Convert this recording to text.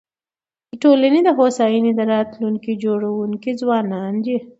د ټولني د هوساینې د راتلونکي جوړونکي ځوانان دي.